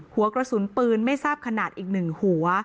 หัวกระสุนปืนไม่ทราบขนาดอีก๑หัว